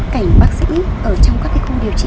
cảnh bác sĩ ở trong các khu điều trị